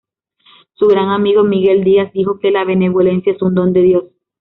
Su gran amigo Miguel Díaz dijo que: "La benevolencia es un don de Dios.